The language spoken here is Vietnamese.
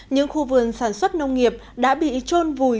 những khu vườn sản xuất nông nghiệp đã bị trôn vùi